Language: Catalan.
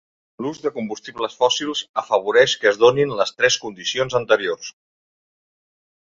L'ús de combustibles fòssils afavoreix que es donin les tres condicions anteriors.